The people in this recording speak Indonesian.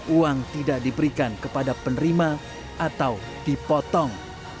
uang tidak diberikan kepada penerima atau dipotong